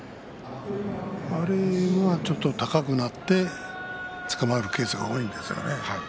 あれがちょっと高くなってつかまるケースが多いんですよね。